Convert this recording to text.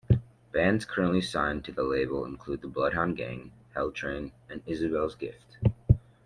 Bands currently signed to the label include The Bloodhound Gang, Helltrain, and Isabelle's Gift.